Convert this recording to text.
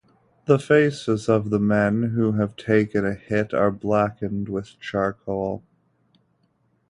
The faces of the men who have taken a hit are blackened with charcoal.